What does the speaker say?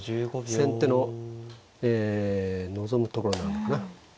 先手の望むところなのかな。